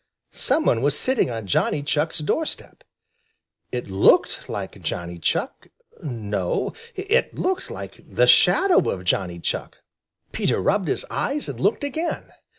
Some one was sitting on Johnny Chuck's door step. It looked like Johnny Chuck. No, it looked like the shadow of Johnny Chuck. Peter rubbed his eyes and looked again.